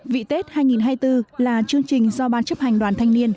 vị tết hai nghìn hai mươi bốn là chương trình do ban chấp hành đoàn thanh niên